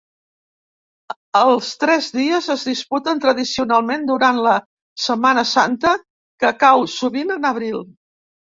Els Tres Dies es disputen tradicionalment durant la Setmana Santa, que cau sovint en abril.